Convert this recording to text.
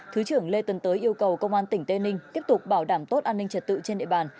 thứ trưởng lê tân tới yêu cầu công an tỉnh tây ninh tiếp tục bảo đảm tốt an ninh trật tự trên địa bàn